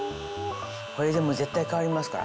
これ絶対変わりますから。